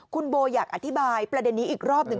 คุณโบอยากอธิบายประเด็นนี้อีกรอบหนึ่ง